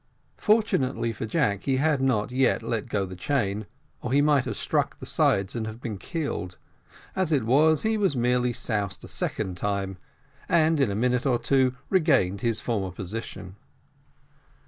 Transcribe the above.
Fortunately for Jack, he had not yet let go the chain, or he might have struck the sides and have been killed; as it was, he was merely soused a second time, and in a minute or two regained his former position.